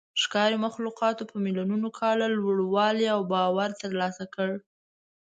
ښکاري مخلوقاتو په میلیونونو کاله لوړوالی او باور ترلاسه کړ.